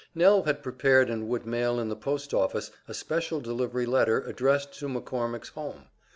Nell had prepared and would mail in the postoffice a special delivery letter addressed to McCormick's home.